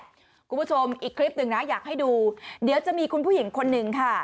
คุณผู้ชมอีกคลิปหนึ่งนะอยากให้ดูเดี๋ยวจะมีคุณผู้หญิงคนหนึ่งค่ะ